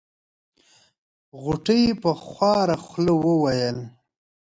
غوټۍ په خواره خوله وويل.